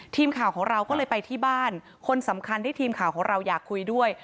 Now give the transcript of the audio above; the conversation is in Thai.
ทีมข่าวของเราก็เลยไปที่บ้านคนสำคัญที่ทีมข่าวของเราอยากคุยด้วย